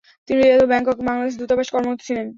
তিনি রিয়াদ ও ব্যাংককে বাংলাদেশ দূতাবাসে কর্মরত ছিলেন।